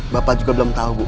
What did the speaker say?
bapak juga belum tahu bu